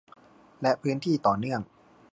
และพื้นที่ต่อเนื่อง